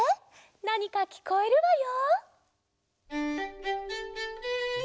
なにかきこえるわよ。